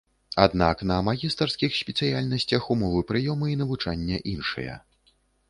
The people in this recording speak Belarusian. Аднак на магістарскіх спецыяльнасцях умовы прыёму і навучання іншыя.